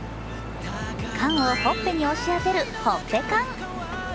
缶をほっぺに押し当てるほっぺ缶。